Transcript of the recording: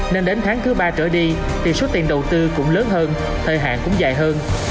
nên đến tháng thứ ba trở đi thì số tiền đầu tư cũng lớn hơn thời hạn cũng dài hơn